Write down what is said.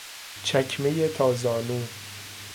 چکمهی تا زانو